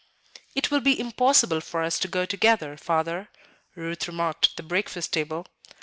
"It will be impossible for us to go together, Father," Ruth remarked at the breakfast table.